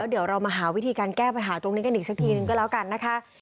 เดี๋ยวเรามาหาวิธีการแก้ปัญหาตรงนี้กันอีกสักทีนึงก็แล้วกันนะคะ